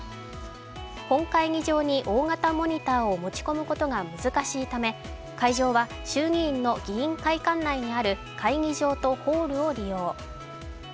本会議場に大型モニターを持ち込むことが難しいため会場は衆議院の議員会館内にある会議場とホールを利用。